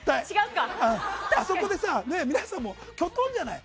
あそこで皆さんもキョトンじゃない。